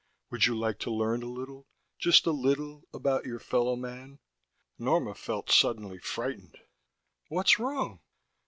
"Would you like to learn a little, just a little, about your fellow man?" Norma felt suddenly frightened. "What's wrong?"